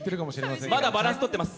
まだバランスとってます。